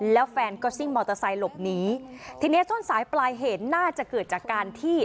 แล้วแฟนก็ซิ่งมอเตอร์ไซค์หลบหนีทีเนี้ยต้นสายปลายเหตุน่าจะเกิดจากการที่